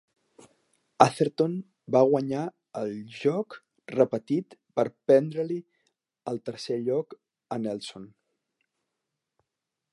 Atherton va guanyar el joc repetit per prendre-li el tercer lloc a Nelson.